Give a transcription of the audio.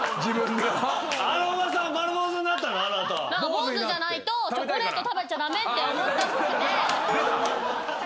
坊主じゃないとチョコレート食べちゃ駄目って思ったっぽくて。